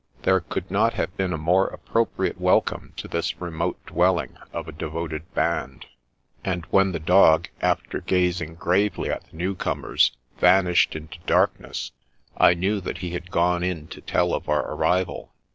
There could not have been a more appro priate welcome to this remote dwelling of a devoted band; and when the dog, after gazing gravely at the newcomers, vanished into darkness, I knew that he had gone in to tell of our arrival.